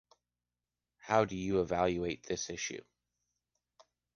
How do you evaluate this issue?